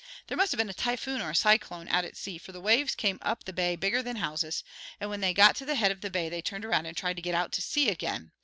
There must have been a typhoon or a cyclone out at sea, for the waves came up the bay bigger than houses, and when they got to the head of the bay they turned around and tried to get out to sea again.